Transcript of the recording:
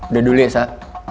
udah dulu ya sak